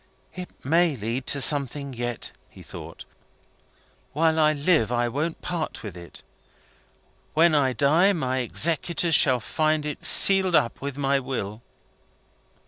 "It may lead to something yet," he thought. "While I live, I won't part with it. When I die, my executors shall find it sealed up with my will."